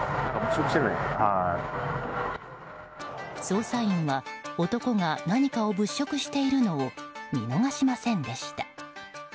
捜査員は男が何かを物色しているのを見逃しませんでした。